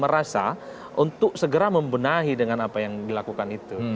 merasa untuk segera membenahi dengan apa yang dilakukan itu